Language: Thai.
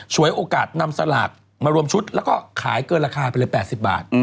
วยโอกาสนำสลากมารวมชุดแล้วก็ขายเกินราคาไปเลย๘๐บาท